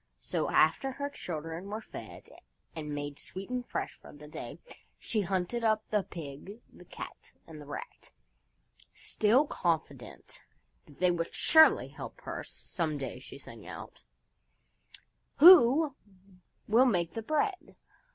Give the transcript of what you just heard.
So after her children were fed and made sweet and fresh for the day, she hunted up the Pig, the Cat and the Rat. Still confident that they would surely help her some day she sang out, "Who will make the bread?"